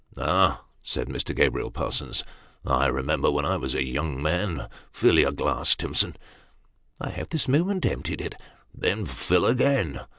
" Ah !" said Mr. Gabriel Parsons, " I remember when I was a young man fill your glass, Timson." " I have this moment emptied it." " Then fill again."